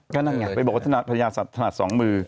ก็นั่นไงไปบอกว่าภรรยาถนัดสองมือ